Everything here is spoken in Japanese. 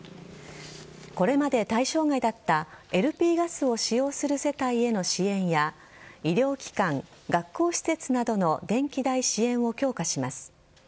これまで対象外だったＬＰガスを使用する世帯への支援や医療機関、学校施設などの電気代支援を強化します。